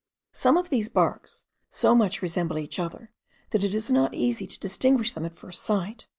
Some of these barks so much resemble each other, that it is not easy to distinguish them at first sight.